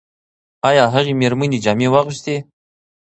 ایا هغه مېرمنې جامې واغوستې؟